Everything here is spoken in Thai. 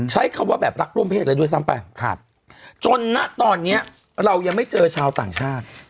ใช้คำว่าแบบรักร่วมเพศเลยด้วยซ้ำไปจนณตอนนี้เรายังไม่เจอชาวต่างชาติ